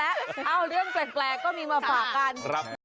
เอ้าเรื่องแปลกก็มีมาฝากกัน